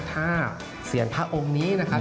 ถ้าเสียงพระองค์นี้นะครับ